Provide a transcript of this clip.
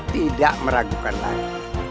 tidak meragukan lagi